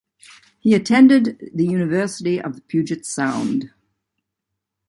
He attended University of Puget Sound.